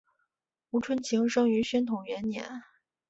吴春晴生于宣统元年。